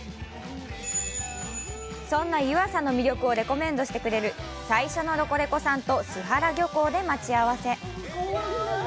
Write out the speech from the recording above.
そんな湯浅の魅力をレコメンドしてくれる最初の「ロコレコさん」と栖原漁港で待ち合わせ。